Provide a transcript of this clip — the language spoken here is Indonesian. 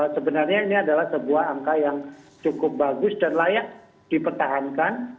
sebenarnya ini adalah sebuah angka yang cukup bagus dan layak dipertahankan